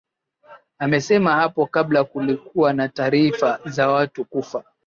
amesema hapo kabla kulikuwa na taarifa za watu kufa